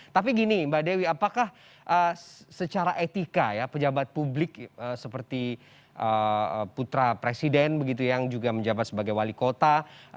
tapi gini mbak dewi apakah secara etika ya pejabat publik seperti putra presiden begitu yang juga menjabat sebagai wali kota